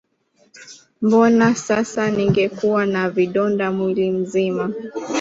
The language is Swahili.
Mbona sasa ningekuwa na vidonda mwili mzima